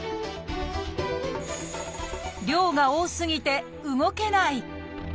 量が多すぎて動けない！